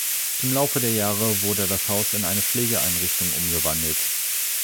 Im Laufe der Jahre wurde das Haus in eine Pflegeeinrichtung umgewandelt.